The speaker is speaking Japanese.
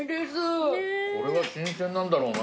これは新鮮なんだろうな。